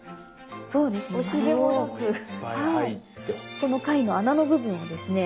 この貝の穴の部分をですね